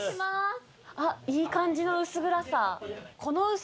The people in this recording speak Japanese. あいい感じの薄暗さ。